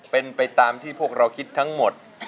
เป็นไปตามที่พวกเราคิดทั้งหมด